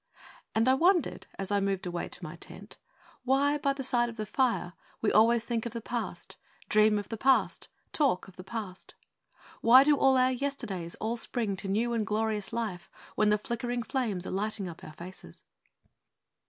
And I wondered, as I moved away to my tent, why, by the side of the fire, we always think of the Past, dream of the Past, talk of the Past. Why do our yesterdays all spring to new and glorious life when the flickering flames are lighting up our faces?